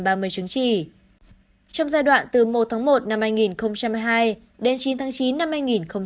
trong giai đoạn từ một tháng một năm hai nghìn một mươi hai đến chín tháng chín năm hai nghìn một mươi hai